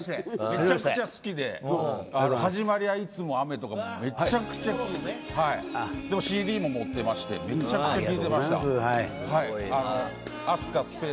めちゃくちゃ好きではじまりはいつも雨とか好きでＣＤも持ってましてめちゃくちゃ聞いてました。